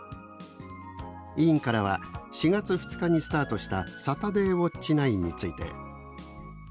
委員からは４月２日にスタートした「サタデーウオッチ９」について。